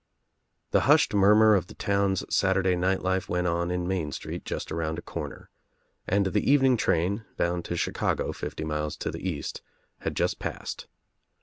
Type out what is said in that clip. The hushed murmur of the town's Saturday ' night life went on in Main Street just around a corner, and the evening train, bound to Chicago fifty miles to the east, had just passed.